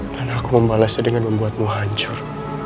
dan aku membalasnya dengan membuatmu hancur